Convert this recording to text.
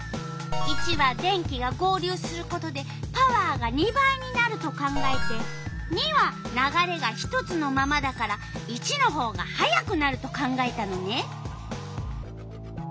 ①は電気が合流することでパワーが２倍になると考えて②は流れが一つのままだから①のほうが速くなると考えたのね。